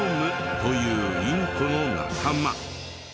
というインコの仲間。